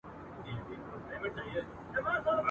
نور یې نسته زور د چا د ښکارولو ..